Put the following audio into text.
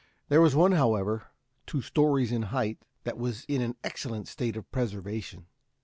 There was one, however, two stories in height, that was in an excellent state of preservation.